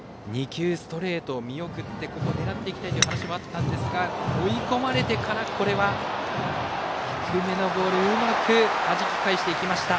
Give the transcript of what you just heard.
２球ストレートを見送って狙っていきたいという話もありましたが追い込まれてからこれは、低めのボールうまくはじき返していきました。